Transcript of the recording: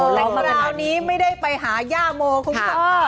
แรกราวนี้ไม่ได้ไปหาญ่ามโฮคุณครับ